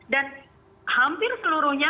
dan hampir seluruhnya